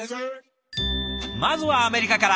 まずはアメリカから。